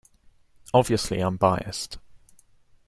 Obviously I’m biased.